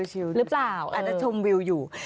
หรือเปล่าอาจจะชมวิวอยู่